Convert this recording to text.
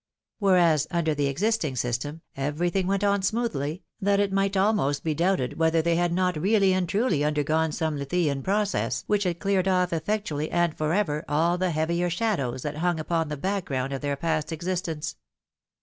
Whereas, under the existing sys tem, everything went on so smoothly, that it might almost be douljted whether they had not really and truly undergone some Lethean process which had cleared oflf effectually and for ever all the heavier shadows that hung upon the background of their past existence.